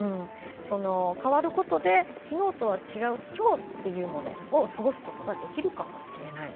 変わることで「昨日とは違う今日」というのを過ごすことができるかもしれない。